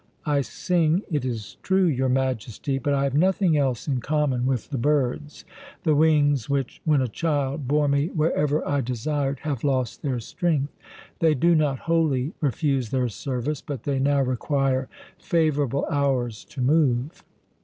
"I sing, it is true, your Majesty, but I have nothing else in common with the birds. The wings which, when a child, bore me wherever I desired, have lost their strength. They do not wholly refuse their service, but they now require favourable hours to move."